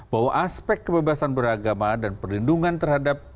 bahwa aspek kebebasan beragama dan perlindungan terhadap